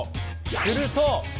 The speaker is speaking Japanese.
すると。